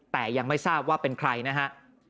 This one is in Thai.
แต่ยังไม่ทราบว่าเป็นใครนะฮะ